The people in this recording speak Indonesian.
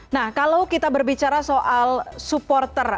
nah kalau kita berbicara soal supporter